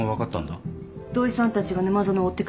土井さんたちが沼園を追ってくれていたから。